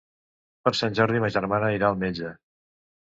Per Sant Jordi ma germana irà al metge.